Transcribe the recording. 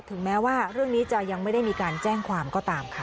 ถึงแม้ว่าเรื่องนี้จะยังไม่ได้มีการแจ้งความก็ตามค่ะ